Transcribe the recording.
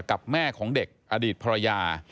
กับแม่ของเด็กอดีตภรรยา